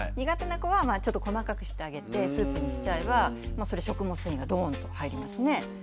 苦手な子はちょっと細かくしてあげてスープにしちゃえばそれ食物繊維がどんと入りますね。